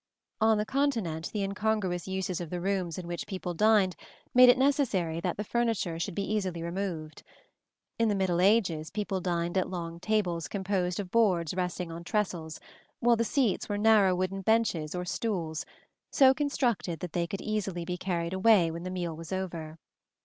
On the Continent the incongruous uses of the rooms in which people dined made it necessary that the furniture should be easily removed. In the middle ages, people dined at long tables composed of boards resting on trestles, while the seats were narrow wooden benches or stools, so constructed that they could easily be carried away when the meal was over.